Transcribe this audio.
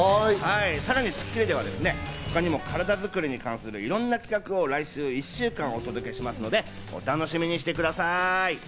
さらに『スッキリ』では他にもカラダづくりに関するいろんな企画を来週１週間お届けしますので、お楽しみにしてください。